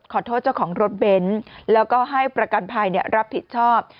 ขอโทษเจ้าของรถเบนท์แล้วก็ให้ประกันภัยรับผิดชอบ